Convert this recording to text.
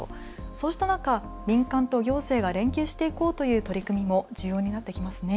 そうした中、民間と行政が連携していこうという取り組みも重要になってきますね。